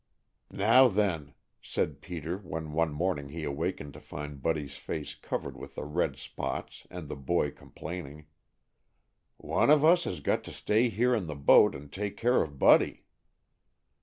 "Now, then," said Peter when one morning he awakened to find Buddy's face covered with the red spots and the boy complaining, "one of us has got to stay here in the boat and take care of Buddy."